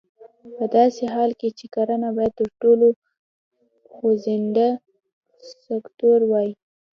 په داسې حال کې چې کرنه باید تر ټولو خوځنده سکتور وای.